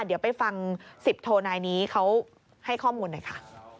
เดี๋ยวไปฟัง๑๐โทนายนี้เขาให้ข้อมูลหน่อยค่ะ